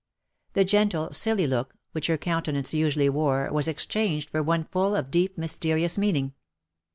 The gentle, silly look, which her countenance usually wore, was exchanged for one full of deep mysterious meaning.